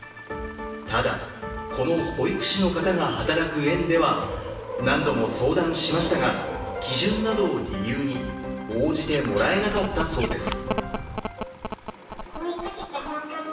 ただ、この保育士の方が働く園では何度も相談しましたが、基準などを理由に応じてもらえなかったそうです。